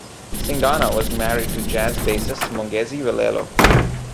Singana was married to jazz bassist Mongezi Velelo.